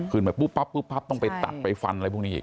ไปปุ๊บปั๊บปุ๊บปั๊บต้องไปตัดไปฟันอะไรพวกนี้อีก